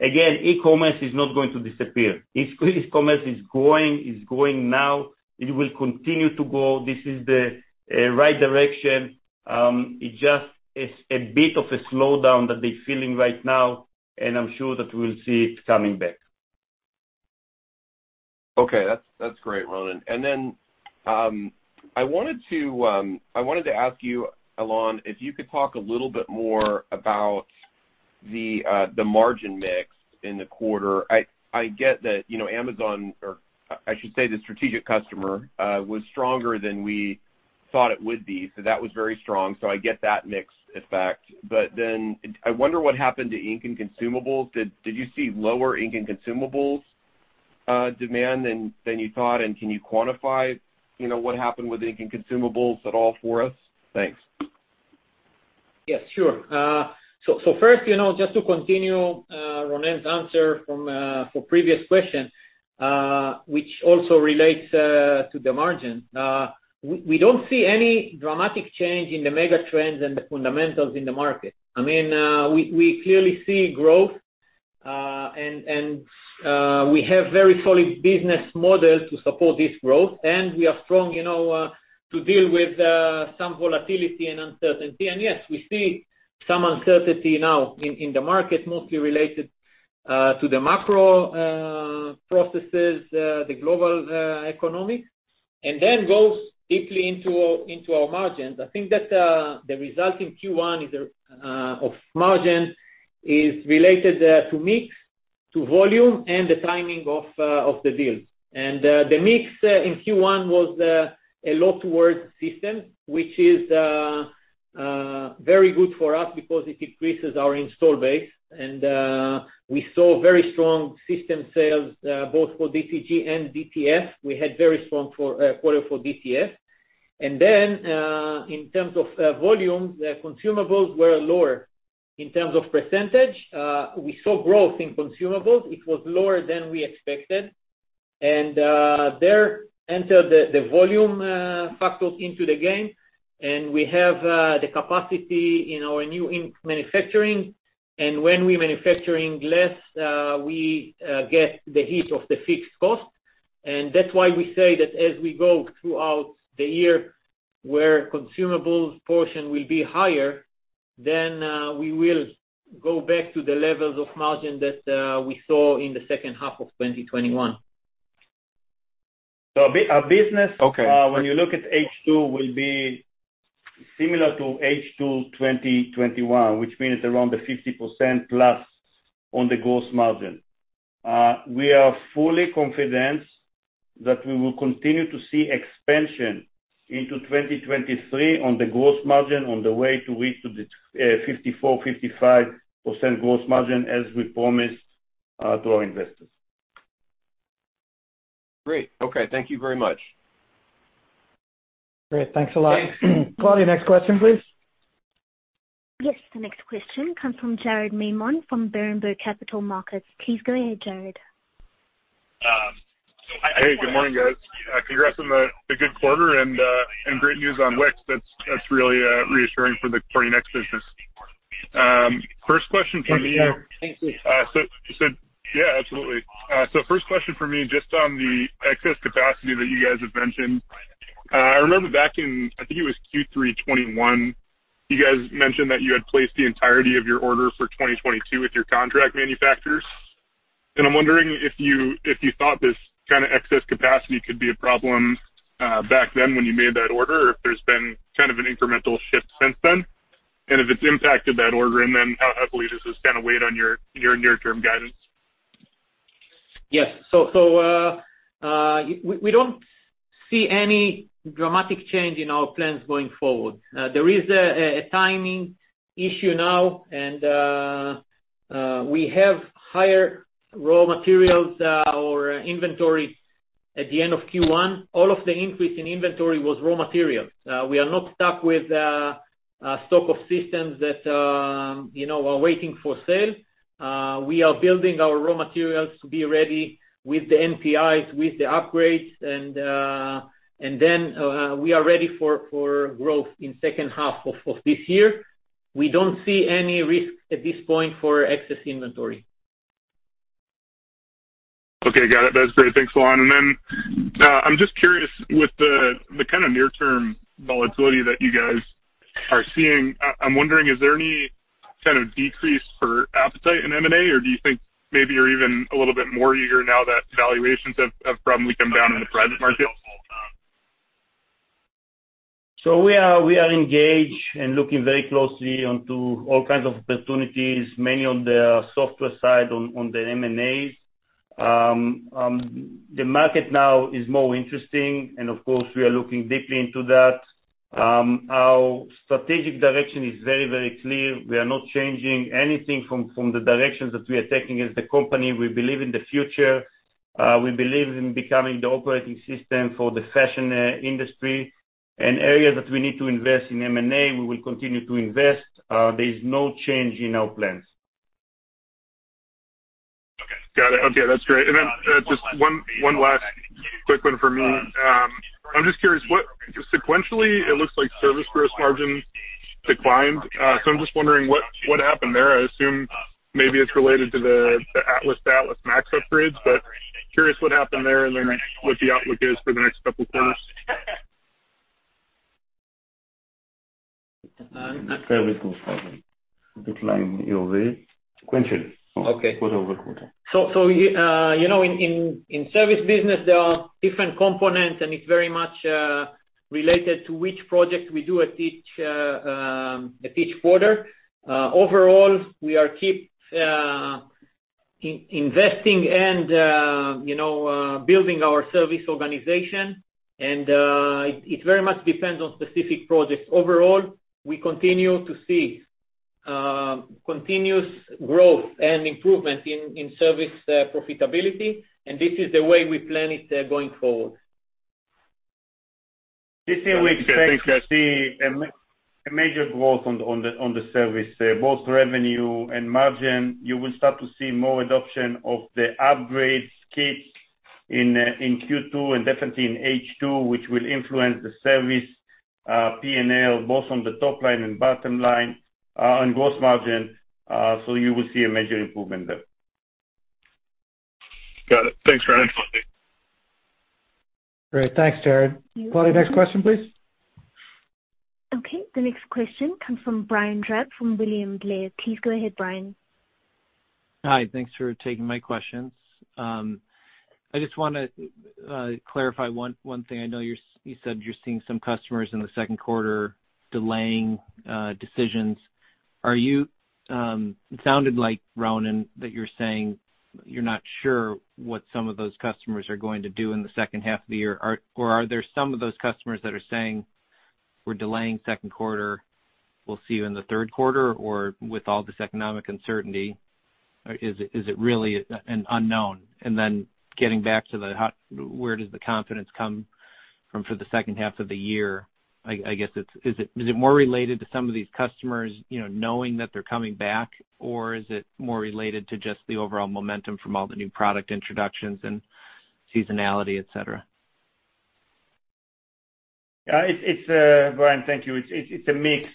Again, e-commerce is not going to disappear. E-commerce is growing, is growing now. It will continue to grow. This is the right direction. It's just a bit of a slowdown that they're feeling right now, and I'm sure that we'll see it coming back. Okay. That's great, Ronen. I wanted to ask you, Alon, if you could talk a little bit more about the margin mix in the quarter. I get that, you know, Amazon or I should say the strategic customer was stronger than we thought it would be. That was very strong, so I get that mix effect. I wonder what happened to ink and consumables. Did you see lower ink and consumables demand than you thought? Can you quantify, you know, what happened with ink and consumables at all for us? Thanks. Yes, sure. First, you know, just to continue Ronen's answer from previous question, which also relates to the margin. We don't see any dramatic change in the mega trends and the fundamentals in the market. I mean, we clearly see growth, and we have very solid business model to support this growth, and we are strong, you know, to deal with some volatility and uncertainty. Yes, we see some uncertainty now in the market, mostly related to the macro processes, the global economy. Then goes deeply into our margins. I think that the result in Q1 of margin is related to mix, to volume, and the timing of the deals. The mix in Q1 was a lot towards system, which is very good for us because it increases our install base. We saw very strong system sales both for DTG and DTS. We had a very strong quarter for DTS. In terms of volume, the consumables were lower. In terms of percentage, we saw growth in consumables. It was lower than we expected. There entered the volume factors into the game. We have the capacity in our new ink manufacturing. When we're manufacturing less, we get the hit of the fixed cost. That's why we say that as we go throughout the year where consumables portion will be higher, then we will go back to the levels of margin that we saw in the second half of 2021. our business- Okay. When you look at H2 will be similar to H2 2021, which means around the 50%+ on the gross margin. We are fully confident that we will continue to see expansion into 2023 on the gross margin on the way to reach to the 54%-55% gross margin as we promised to our investors. Great. Okay, thank you very much. Great. Thanks a lot. Thanks. Claudia, next question, please. Yes, the next question comes from Jared Maymon from Berenberg Capital Markets. Please go ahead, Jared. Hey, good morning, guys. Congrats on the good quarter and great news on Wix. That's really reassuring for your next business. First question from me. Can you hear? Yeah, absolutely. First question for me, just on the excess capacity that you guys have mentioned. I remember back in, I think it was Q3 2021, you guys mentioned that you had placed the entirety of your order for 2022 with your contract manufacturers. I'm wondering if you thought this kinda excess capacity could be a problem back then when you made that order, or if there's been kind of an incremental shift since then? If it's impacted that order, and then how heavily does this kinda weigh on your near-term guidance? Yes. We don't see any dramatic change in our plans going forward. There is a timing issue now and we have higher raw materials or inventory at the end of Q1. All of the increase in inventory was raw materials. We are not stuck with stock of systems that, you know, are waiting for sale. We are building our raw materials to be ready with the NPIs, with the upgrades and then we are ready for growth in second half of this year. We don't see any risks at this point for excess inventory. Okay. Got it. That's great. Thanks a lot. I'm just curious with the kinda near-term volatility that you guys are seeing. I'm wondering, is there any kind of decrease in appetite in M&A, or do you think maybe you're even a little bit more eager now that valuations have probably come down in the private market? We are engaged and looking very closely into all kinds of opportunities, mainly on the software side, on the M&As. The market now is more interesting and of course, we are looking deeply into that. Our strategic direction is very, very clear. We are not changing anything from the directions that we are taking as the company. We believe in the future. We believe in becoming the operating system for the fashion industry. Areas that we need to invest in M&A, we will continue to invest. There is no change in our plans. Okay. Got it. Okay. That's great. Just one last quick one from me. I'm just curious what sequentially, it looks like service gross margins declined. So I'm just wondering what happened there. I assume maybe it's related to the Atlas MAX upgrades, but curious what happened there and then what the outlook is for the next couple quarters. Fairly good problem. Decline year-over-year sequentially. Okay. quarter-over-quarter. You know, in service business, there are different components, and it's very much related to which project we do at each quarter. Overall, we are keeping investing and you know building our service organization, and it very much depends on specific projects. Overall, we continue to see continuous growth and improvement in service profitability, and this is the way we plan it going forward. This year we expect to see a major growth on the service, both revenue and margin. You will start to see more adoption of the upgrade kits in Q2 and definitely in H2, which will influence the service P&L, both on the top line and bottom line, on gross margin. You will see a major improvement there. Got it. Thanks, Ronen. Thanks. Great. Thanks, Jared. Claudia, next question, please. Okay. The next question comes from Brian Drab from William Blair. Please go ahead, Brian. Hi. Thanks for taking my questions. I just wanna clarify one thing. I know you said you're seeing some customers in the second quarter delaying decisions. It sounded like, Ronen, that you're saying you're not sure what some of those customers are going to do in the second half of the year. Or are there some of those customers that are saying, "We're delaying second quarter, we'll see you in the third quarter," or with all this economic uncertainty, is it really an unknown? Then getting back to where does the confidence come from for the second half of the year? Is it more related to some of these customers, you know, knowing that they're coming back, or is it more related to just the overall momentum from all the new product introductions and seasonality, et cetera? Yeah. It's Brian, thank you. It's a mix.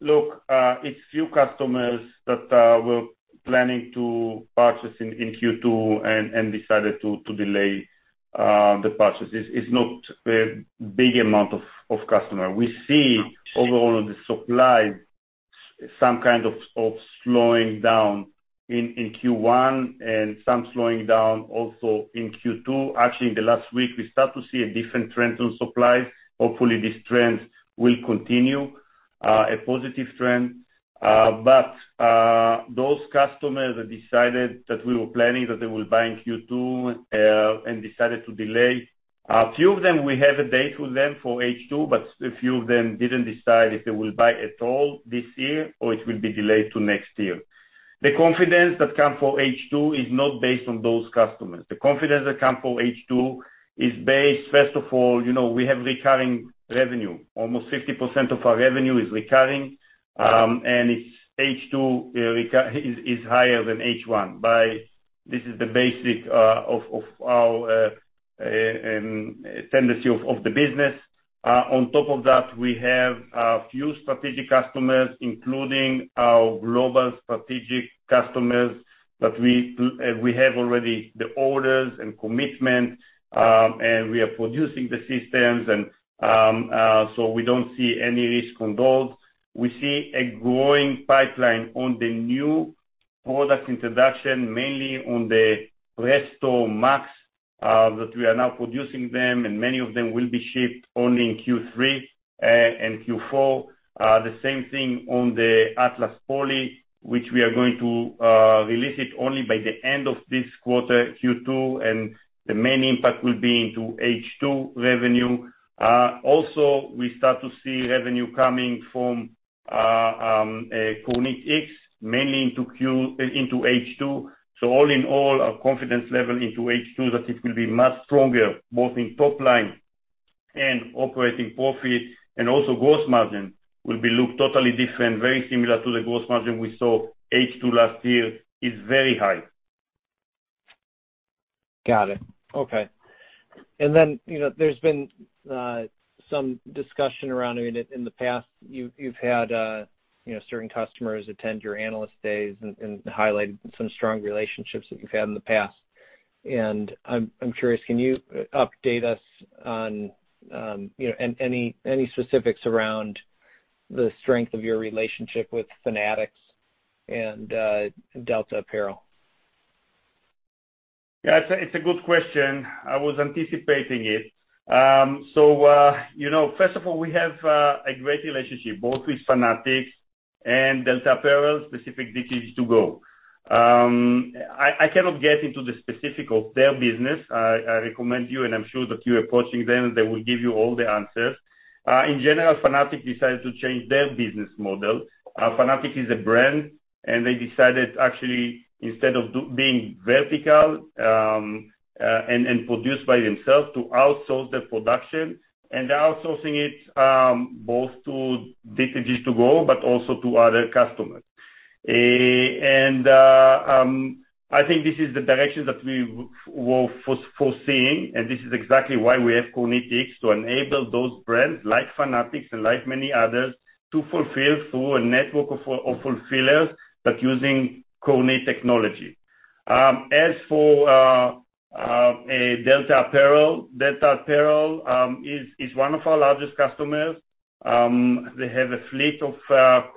Look, it's few customers that were planning to purchase in Q2 and decided to delay the purchases. It's not a big amount of customer. We see overall on the supply some kind of slowing down in Q1 and some slowing down also in Q2. Actually, in the last week, we start to see a different trend on supply. Hopefully, this trend will continue, a positive trend. Those customers that decided that we were planning that they will buy in Q2 and decided to delay, a few of them, we have a date with them for H2, but a few of them didn't decide if they will buy at all this year or it will be delayed to next year. The confidence that comes for H2 is not based on those customers. The confidence that comes for H2 is based, first of all, you know, we have recurring revenue. Almost 50% of our revenue is recurring, and it's H2 recurring is higher than H1 by this. This is the basic of our tendency of the business. On top of that, we have a few strategic customers, including our global strategic customers that we have already the orders and commitment, and we are producing the systems and so we don't see any risk on those. We see a growing pipeline on the new product introduction, mainly on the Presto MAX, that we are now producing them, and many of them will be shipped only in Q3 and Q4. The same thing on the Atlas Poly, which we are going to release it only by the end of this quarter, Q2, and the main impact will be into H2 revenue. Also, we start to see revenue coming from KornitX, mainly into H2. All in all, our confidence level into H2 that it will be much stronger, both in top line and operating profit, and also gross margin will be look totally different, very similar to the gross margin we saw H2 last year. It's very high. Got it. Okay. You know, there's been some discussion around. I mean, in the past you've had certain customers attend your analyst days and highlighted some strong relationships that you've had in the past. I'm curious, can you update us on, you know, any specifics around the strength of your relationship with Fanatics and Delta Apparel? Yeah. It's a good question. I was anticipating it. So, you know, first of all, we have a great relationship both with Fanatics and Delta Apparel, specifically DTG2Go. I cannot get into the specifics of their business. I recommend you, and I'm sure that you're approaching them, they will give you all the answers. In general, Fanatics decided to change their business model. Fanatics is a brand, and they decided actually instead of being vertical and produced by themselves, to outsource their production. They're outsourcing it both to DTG2Go, but also to other customers. I think this is the direction that we're foreseeing, and this is exactly why we have KornitX, to enable those brands like Fanatics and like many others to fulfill through a network of fulfillers, but using Kornit technology. As for Delta Apparel, Delta Apparel is one of our largest customers. They have a fleet of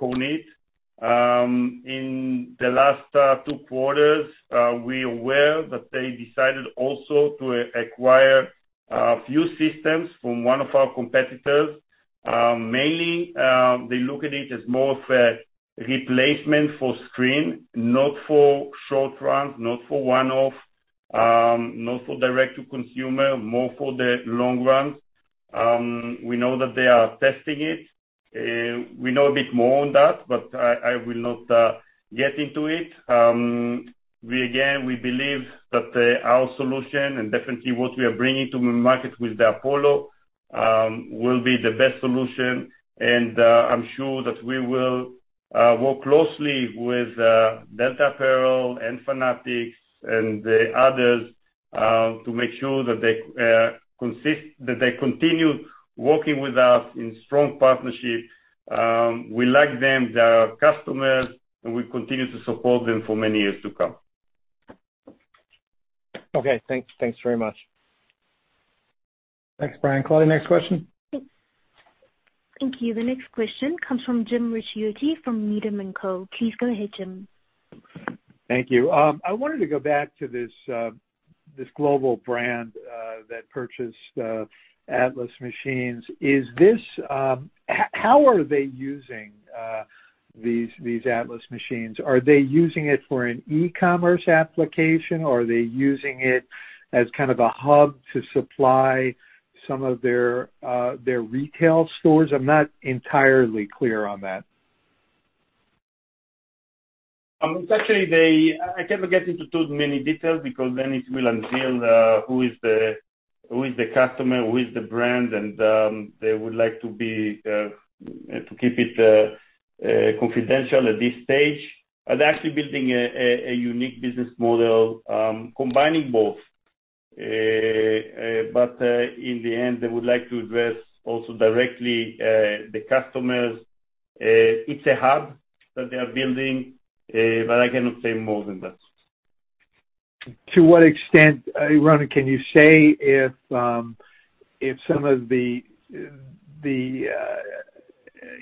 Kornit. In the last two quarters, we are aware that they decided also to acquire a few systems from one of our competitors. Mainly, they look at it as more of a replacement for screen, not for short run, not for one-off, not for direct to consumer, more for the long run. We know that they are testing it. We know a bit more on that, but I will not get into it. We again believe that our solution and definitely what we are bringing to the market with the Apollo will be the best solution. I'm sure that we will work closely with Delta Apparel and Fanatics and the others to make sure that they continue working with us in strong partnership. We like them, they are customers, and we continue to support them for many years to come. Okay, thanks. Thanks very much. Thanks, Brian. Claudia, next question. Thank you. The next question comes from Jim Ricchiuti from Needham & Company. Please go ahead, Jim. Thank you. I wanted to go back to this global brand that purchased Atlas machines. How are they using these Atlas machines? Are they using it for an e-commerce application, or are they using it as kind of a hub to supply some of their retail stores? I'm not entirely clear on that. I can't get into too many details because then it will unveil who is the customer, who is the brand, and they would like to keep it confidential at this stage. They're actually building a unique business model combining both. In the end, they would like to address also directly the customers. It's a hub that they are building, but I cannot say more than that. To what extent, Ron, can you say if some of the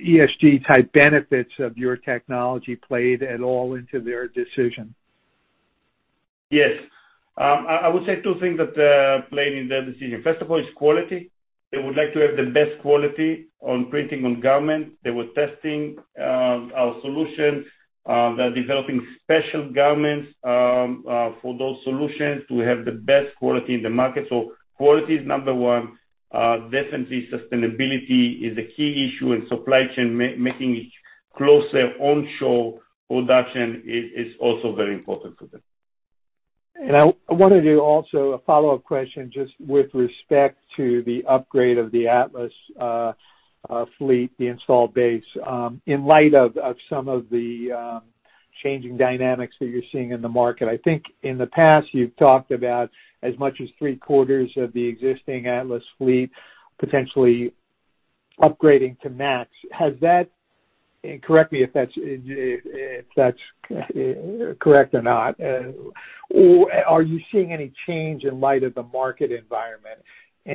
ESG-type benefits of your technology played at all into their decision? Yes. I would say two things that played into their decision. First of all is quality. They would like to have the best quality in printing on garment. They were testing our solution. They're developing special garments for those solutions to have the best quality in the market. Quality is number one. Definitely sustainability is a key issue, and supply chain making it closer onshore production is also very important to them. I wanted to also a follow-up question just with respect to the upgrade of the Atlas fleet, the install base, in light of some of the changing dynamics that you're seeing in the market. I think in the past you've talked about as much as three-quarters of the existing Atlas fleet potentially upgrading to Max. Has that. Correct me if that's correct or not. Or are you seeing any change in light of the market environment?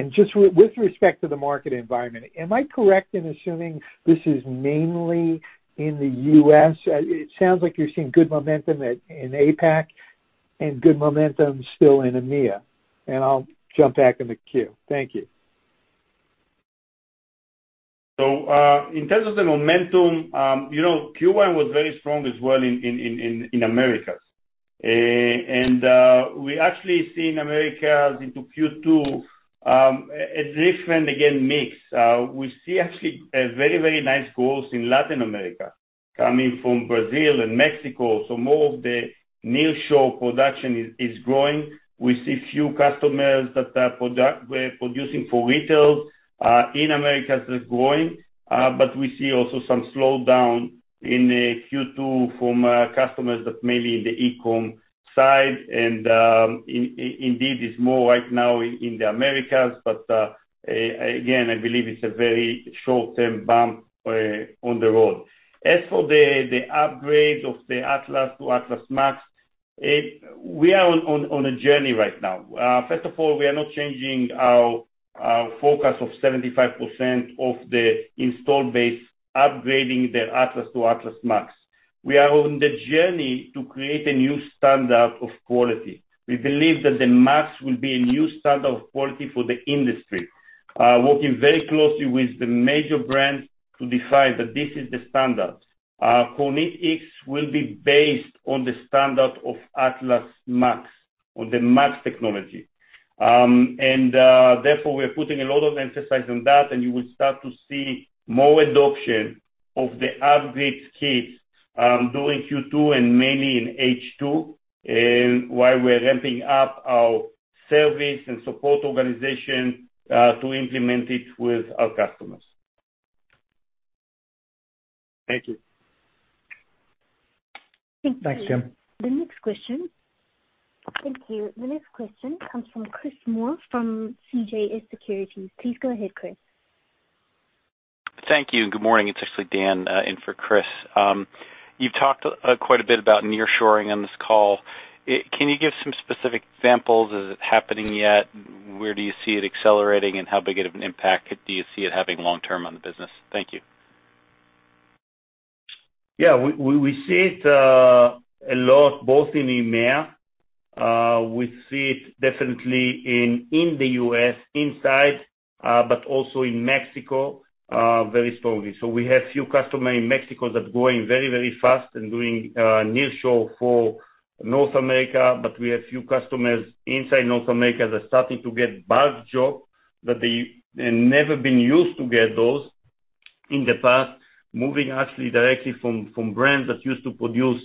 Just with respect to the market environment, am I correct in assuming this is mainly in the U.S.? It sounds like you're seeing good momentum in APAC and good momentum still in EMEA. I'll jump back in the queue. Thank you. In terms of the momentum, you know, Q1 was very strong as well in Americas. We actually see in Americas into Q2, a different, again, mix. We see actually a very nice growth in Latin America coming from Brazil and Mexico. More of the nearshore production is growing. We see few customers that are producing for retail, in Americas that are growing. We see also some slowdown in Q2 from, customers that may be in the e-com side. Indeed, it's more right now in the Americas. Again, I believe it's a very short-term bump, on the road. As for the upgrade of the Atlas to Atlas MAX, we are on a journey right now. First of all, we are not changing our focus of 75% of the installed base upgrading their Atlas to Atlas MAX. We are on the journey to create a new standard of quality. We believe that the MAX will be a new standard of quality for the industry. We are working very closely with the major brands to decide that this is the standard. Our KornitX will be based on the standard of Atlas MAX, on the MAX technology. Therefore, we're putting a lot of emphasis on that, and you will start to see more adoption of the upgrade kits during Q2 and mainly in H2, and while we're ramping up our service and support organization to implement it with our customers. Thank you. Thank you. Thanks, Jim. The next question. Thank you. The next question comes from Chris Moore from CJS Securities. Please go ahead, Chris. Thank you, and good morning. It's actually Dan in for Chris. You've talked quite a bit about nearshoring on this call. Can you give some specific examples? Is it happening yet? Where do you see it accelerating, and how big of an impact do you see it having long term on the business? Thank you. Yeah, we see it a lot both in EMEA. We see it definitely in the U.S. inside, but also in Mexico very strongly. We have few customer in Mexico that's growing very, very fast and doing nearshore for North America, but we have few customers inside North America that are starting to get bulk job that they never been used to get those in the past, moving actually directly from brands that used to produce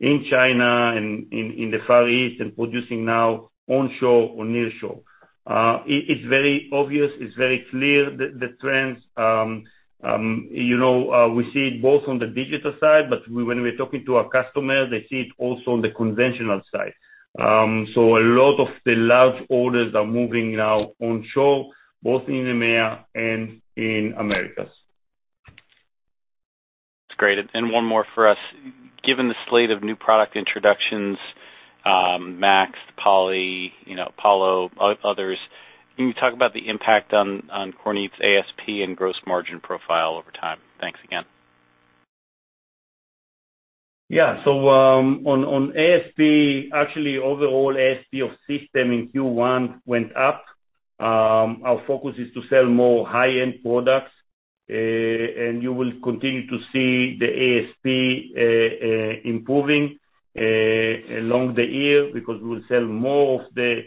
in China and in the Far East and producing now onshore or nearshore. It's very obvious. It's very clear the trends, you know. We see it both on the digital side, but when we're talking to our customer, they see it also on the conventional side. A lot of the large orders are moving now onshore, both in EMEA and in Americas. That's great. One more for us. Given the slate of new product introductions, MAX, Poly, you know, Apollo, others, can you talk about the impact on Kornit's ASP and gross margin profile over time? Thanks again. On ASP, actually overall ASP of system in Q1 went up. Our focus is to sell more high-end products. You will continue to see the ASP improving along the year because we'll sell more of the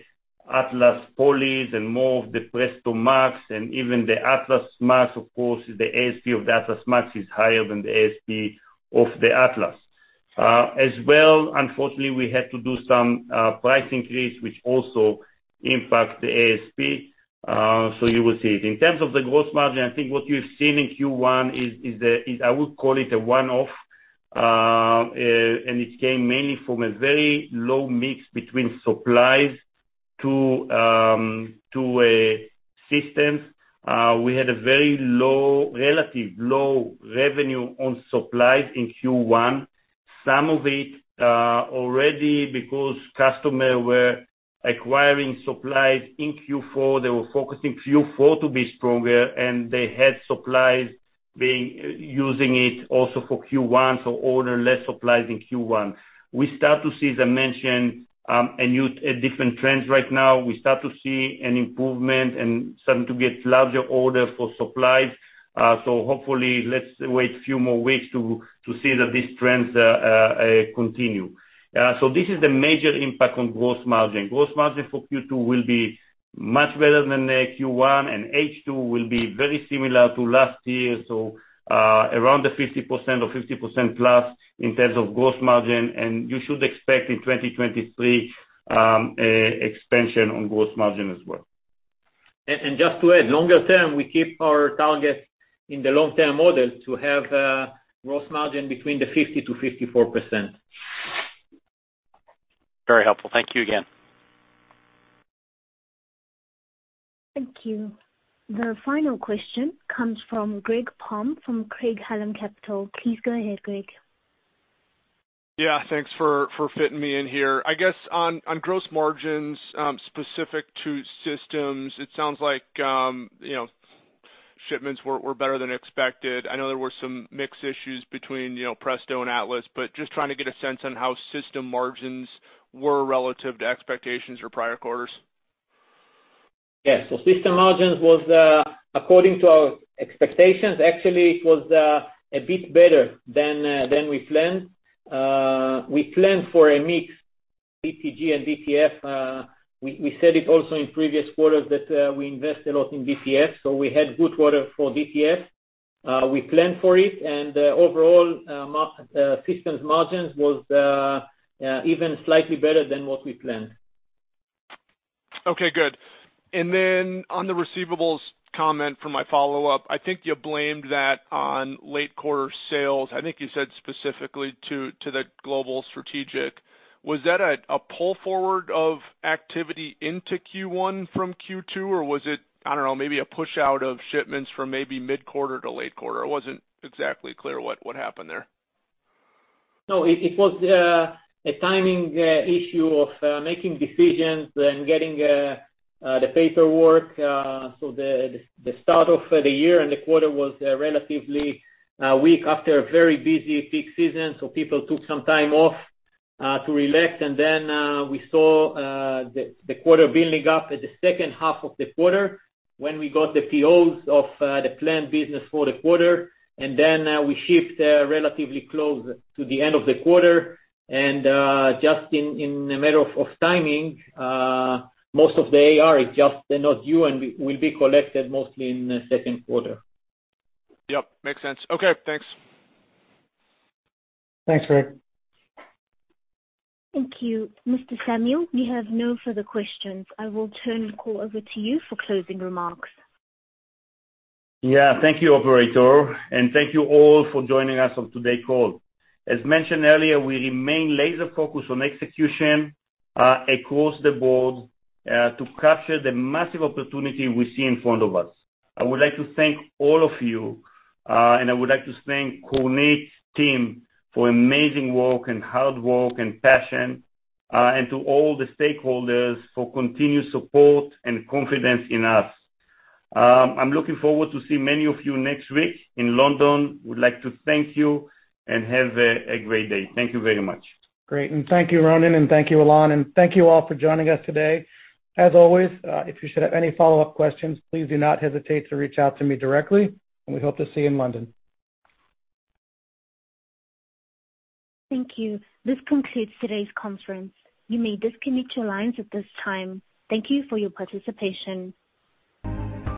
Atlas Poly and more of the Presto MAX and even the Atlas MAX, of course, the ASP of the Atlas MAX is higher than the ASP of the Atlas. As well, unfortunately, we had to do some price increase, which also impacts the ASP, you will see it. In terms of the gross margin, I think what you've seen in Q1 is what I would call a one-off, and it came mainly from a very low mix between supplies to systems. We had a very low revenue on supplies in Q1. Some of it already because customers were acquiring supplies in Q4. They were focusing Q4 to be stronger, and they had supplies using it also for Q1, so ordered less supplies in Q1. We start to see new, different trends right now. We start to see an improvement and starting to get larger orders for supplies. Hopefully let's wait few more weeks to see that these trends continue. This is the major impact on gross margin. Gross margin for Q2 will be much better than the Q1, and H2 will be very similar to last year, so around the 50% or 50% plus in terms of gross margin, and you should expect in 2023 expansion on gross margin as well. Just to add, longer term, we keep our target in the long-term model to have gross margin between the 50%-54%. Very helpful. Thank you again. Thank you. The final question comes from Greg Palm from Craig-Hallum Capital Group. Please go ahead, Greg. Yeah, thanks for fitting me in here. I guess on gross margins, specific to systems, it sounds like you know, shipments were better than expected. I know there were some mix issues between you know, Presto and Atlas, but just trying to get a sense on how system margins were relative to expectations or prior quarters. Yeah. System margins was according to our expectations. Actually, it was a bit better than than we planned. We planned for a mix DTG and DTF. We said it also in previous quarters that we invest a lot in DTF, so we had good quarter for DTF. We planned for it, and overall, systems margins was even slightly better than what we planned. Okay, good. On the receivables comment for my follow-up, I think you blamed that on late quarter sales. I think you said specifically to the global strategic. Was that a pull forward of activity into Q1 from Q2, or was it, I don't know, maybe a push out of shipments from maybe mid-quarter to late quarter? I wasn't exactly clear what happened there. No. It was a timing issue of making decisions and getting the paperwork. The start of the year and the quarter was relatively weak after a very busy peak season, so people took some time off to relax. We saw the quarter building up in the second half of the quarter when we got the POs of the planned business for the quarter. We shipped relatively close to the end of the quarter. Just in a matter of timing, most of the AR is just not due and will be collected mostly in the second quarter. Yep, makes sense. Okay, thanks. Thanks, Greg. Thank you. Mr. Samuel, we have no further questions. I will turn the call over to you for closing remarks. Yeah. Thank you, operator, and thank you all for joining us on today's call. As mentioned earlier, we remain laser focused on execution across the board to capture the massive opportunity we see in front of us. I would like to thank all of you, and I would like to thank Kornit team for amazing work and hard work and passion, and to all the stakeholders for continued support and confidence in us. I'm looking forward to see many of you next week in London. We'd like to thank you and have a great day. Thank you very much. Great. Thank you, Ronen, and thank you, Alon, and thank you all for joining us today. As always, if you should have any follow-up questions, please do not hesitate to reach out to me directly, and we hope to see you in London. Thank you. This concludes today's conference. You may disconnect your lines at this time. Thank you for your participation.